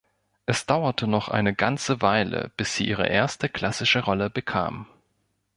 Es dauerte noch eine ganze Weile, bis sie ihre erste klassische Rolle bekam.